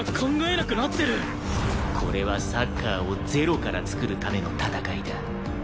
これはサッカーを０から創るための戦いだ。